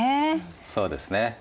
そうですね。